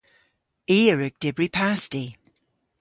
I a wrug dybri pasti.